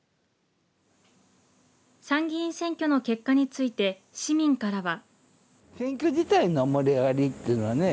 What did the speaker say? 参議院選挙の結果について市民からは。